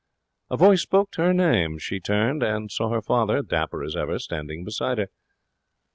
A voice spoke her name. She turned, and saw her father, dapper as ever, standing beside her.